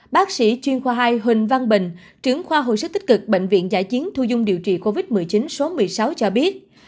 bác sĩ chuyên khoa hai huỳnh văn bình trưởng khoa hồi sức tích cực bệnh viện giải chiến thu dung điều trị covid một mươi chín số một mươi sáu cho biết